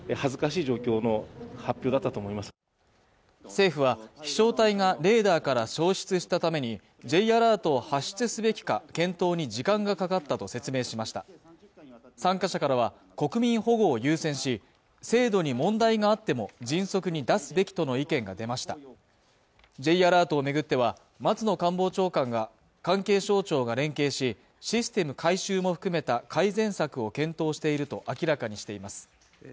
政府は飛翔体がレーダーから消失したためにＪアラートを発出すべきか検討に時間がかかったと説明しました参加者からは国民保護を優先し制度に問題があっても迅速に出すべきとの意見が出ましたＪアラートをめぐっては松野官房長官が関係省庁が連携しシステム改修も含めた改善策を検討していると明らかにしています